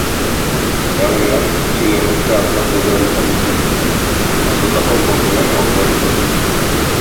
Era berean, sei agente artatu behar izan dituzte, jasotako kolpeen ondorioz.